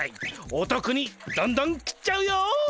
おとくにどんどん切っちゃうよ！